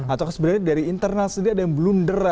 atau sebenarnya dari internal sendiri ada yang belum dera